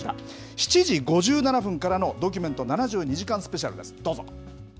７時５７分からのドキュメント７２時間ＳＰです、どうぞ。